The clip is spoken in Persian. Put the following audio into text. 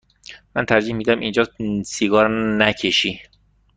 من ترجیح می دهم اینجا سیگار نکشی.